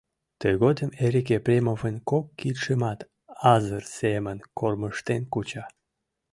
Тыгодым Эрик Епремовын кок кидшымат азыр семын кормыжтен куча.